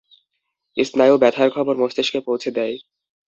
স্নায়ু ব্যাথার খবর মস্তিষ্কে পৌঁছে দেয়।